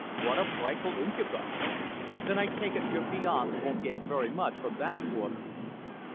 "What a frightful incubus! Then I take it your fiance won't get very much from that quarter?"